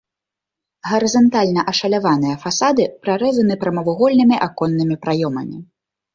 Гарызантальна ашаляваныя фасады прарэзаны прамавугольнымі аконнымі праёмамі.